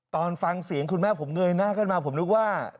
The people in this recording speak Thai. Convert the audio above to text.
ตอนฟังเสียงคุณแม่ผมเงยหน้าขึ้นมาผมนึกว่า